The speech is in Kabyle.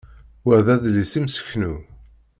Wa d adlis imseknu.